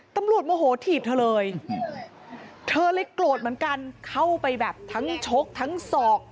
โมโหถีบเธอเลยเธอเลยโกรธเหมือนกันเข้าไปแบบทั้งชกทั้งศอก